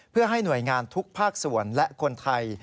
เพื่อให้หน่วยงานทุกภาคส่วนและคนไทย